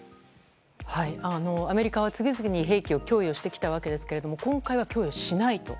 アメリカは次々に兵器を供与してきたわけですが今回は供与しないと。